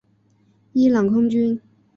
伊朗空军。